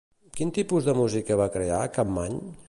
Quin tipus de música va crear Campmany?